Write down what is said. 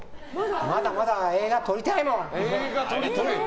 まだまだ、映画撮りたいもん。